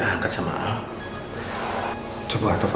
ini dari urusan yang apa apa ya